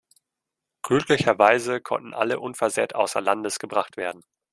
Glücklicherweise konnten alle unversehrt außer Landes gebracht werden.